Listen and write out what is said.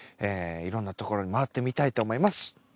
えいろんなところに回ってみたいと思います。